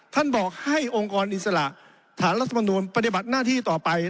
ท่านบอกให้องค์กรอิสระฐานรัฐมนูลปฏิบัติหน้าที่ต่อไป